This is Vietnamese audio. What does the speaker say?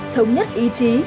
thống nhất ý chí